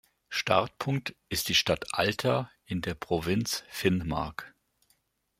Startpunkt ist die Stadt Alta in der Provinz Finnmark.